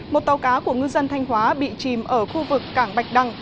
một tàu cá của ngư dân thanh hóa bị chìm ở khu vực cảng bạch đăng